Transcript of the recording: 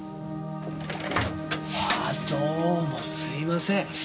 あどうもすいません。